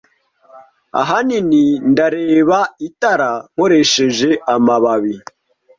Ahanini ndareba itara nkoresheje amababi